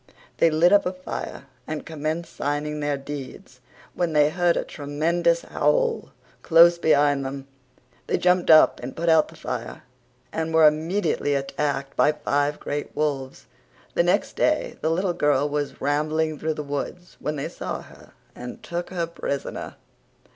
They lit up a fire and commenced sining their deeds when they heard a tremendous howl close behind them. They jumped up and put out the fire and were immejutly attacked by five great wolves. The next day the little girl was rambelling through the woods when they saw her and took her prisoner.